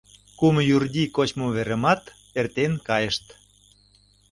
«Кум Юрди» кочмыверымат эртен кайышт.